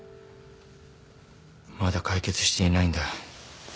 まだ解決していないんだ